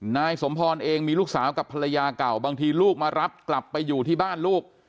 นายสมพรเองมีลูกสาวกับภรรยาเก่าบางทีลูกมารับกลับไปอยู่ที่บ้านลูก